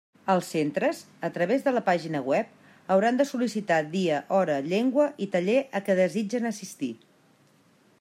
Els centres, a través de la pàgina web, hauran de sol·licitar dia, hora, llengua i taller a què desitgen assistir.